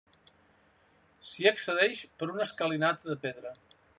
S'hi accedeix per una escalinata de pedra.